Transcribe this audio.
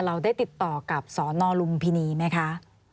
เราได้ติดต่อกับสนลุมพินีไหมคะ